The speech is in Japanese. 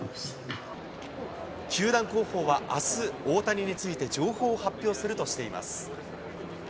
球団広報はあす、大谷について情報を発表するとしています。